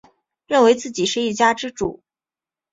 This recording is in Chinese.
认为自己是一家之主